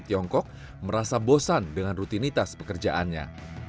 tiongkok merasa bosan dengan rutinitas pekerjaannya